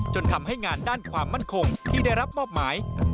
จนทำให้งานด้านความมั่นคงที่ได้รับมอบหมาย